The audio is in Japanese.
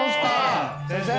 先生。